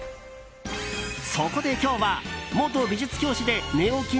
そこで今日は、元美術教師でネオ